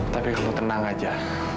tapi kamu tenang aja